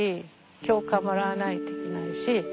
許可もらわないといけないし。